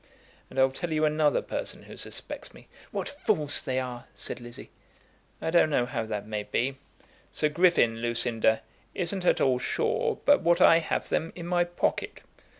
And I'll tell you another person who suspects me." "What fools they are," said Lizzie. "I don't know how that may be. Sir Griffin, Lucinda, isn't at all sure but what I have them in my pocket."